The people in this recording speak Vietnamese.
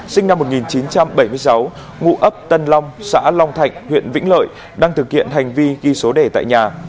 sinh năm một nghìn chín trăm bảy mươi sáu ngụ ấp tân long xã long thạnh huyện vĩnh lợi đang thực hiện hành vi ghi số đề tại nhà